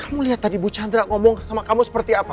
kamu lihat tadi bu chandra ngomong sama kamu seperti apa